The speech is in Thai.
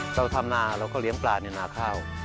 เราทำนาเราก็เลี้ยงปลาในนาข้าว